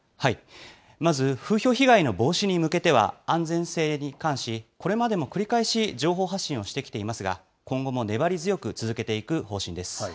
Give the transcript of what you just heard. まず風評被害の防止に向けては、安全性に関し、これまでも繰り返し情報発信をしてきていますが、今後も粘り強く続けていく方針です。